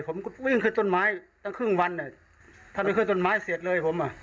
ผมก็วิ่งขึ้นต้นไม้ตั้งครึ่งวันอ่ะท่านไปขึ้นต้นไม้เสร็จเลยผมอ่ะ